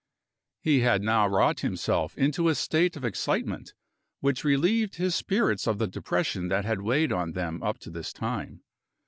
He had now wrought himself into a state of excitement, which relieved his spirits of the depression that had weighed on them up to this time.